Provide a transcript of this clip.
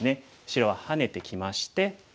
白はハネてきまして。